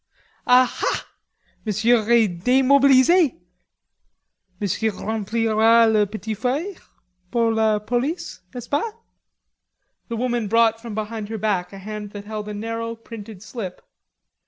"Aha! Monsieur est demobilise. Monsieur remplira la petite feuille pour la police, n'est ce pas?" The woman brought from behind her back a hand that held a narrow printed slip.